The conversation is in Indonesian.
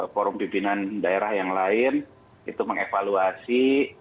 forum pimpinan daerah yang lain itu mengevaluasi